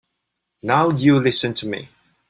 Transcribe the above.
Now you listen to me.